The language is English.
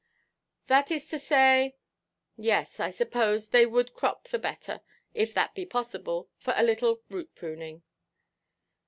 "That is to say—yes, I suppose, they would crop the better, if that be possible, for a little root–pruning."